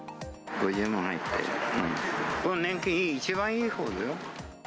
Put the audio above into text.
これ、年金、一番いいほうだよ。